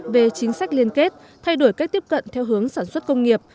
về chính sách liên kết thay đổi cách tiếp cận theo hướng sản xuất công nghiệp